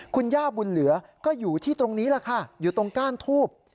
คุณย่าบุญเหลือก็อยู่ที่ตรงนี้แหละค่ะอยู่ตรงก้านทูบ